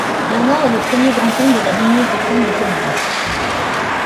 Bernard est le premier grand comte de la lignée des comtes de Comminges.